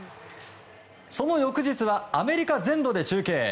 その翌日はアメリカ全土で中継。